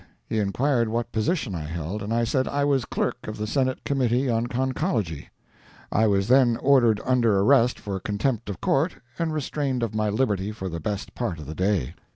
He inquired what position I held, and I said I was clerk of the Senate Committee on Conchology. I was then ordered under arrest for contempt of court, and restrained of my liberty for the best part of the day.